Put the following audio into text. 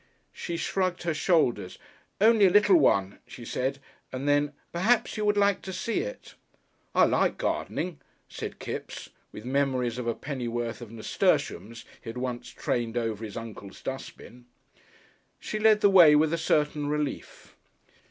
She shrugged her shoulders. "Only a little one," she said, and then, "perhaps you would like to see it." "I like gardenin'," said Kipps, with memories of a pennyworth of nasturtiums he had once trained over his uncle's dustbin. She led the way with a certain relief.